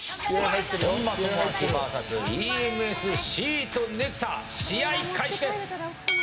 本間朋晃ＶＳＥＭＳシートネクサ試合開始です！